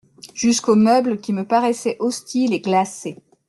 Jusqu'aux meubles qui me paraissaient hostiles et glacés.